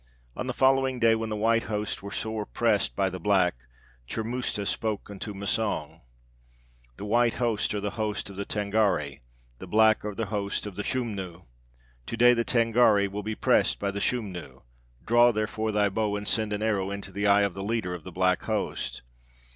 "On the following day, when the white host were sore pressed by the black, Churmusta spake unto Massang: 'The white host are the host of the Tângâri, the black are the host of the Schumnu. To day the Tângâri will be pressed by the Schumnu; draw, therefore, thy bow, and send an arrow into the eye of the leader of the black host.'